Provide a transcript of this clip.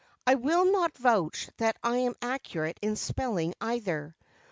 I will not vouch that I am accurate in spelling either.